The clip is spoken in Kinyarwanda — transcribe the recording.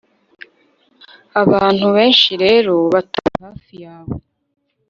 abantu benshi rero batuye hafi yawe